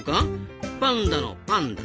「パンダのパンだ」